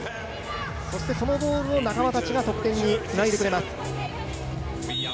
そのボールを仲間たちが得点につないでくれます。